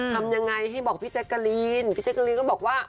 ทำยังไงให้บอกพี่แจ๊กกะลีนพี่แจ๊กกะลีนก็บอกว่า